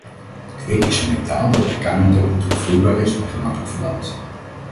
Kwik is een metaal dat bij kamertemperatuur vloeibaar is en gemakkelijk verdampt.